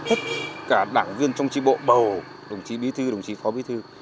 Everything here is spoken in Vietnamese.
tất cả đảng viên trong tri bộ bầu đồng chí bí thư đồng chí phó bí thư